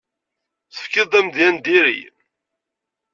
Tefkiḍ-d amedya n diri.